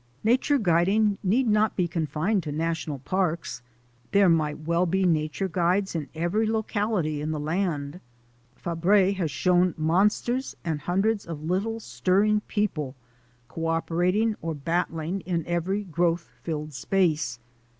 Nature guiding need not be confined to national parks. There might well be nature guides in every locality in the land. Fabre has shown monsters and hundreds of little, stirring people cooperating or battling in every growth filled space.